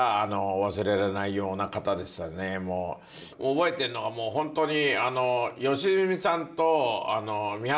覚えてるのはホントに。